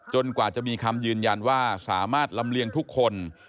กว่าจะมีคำยืนยันว่าสามารถลำเลียงทุกคน